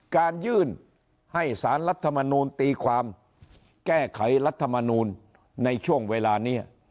การยื่นให้สารรัฐมนูลตีความแก้ไขรัฐมนูลในช่วงเวลานี้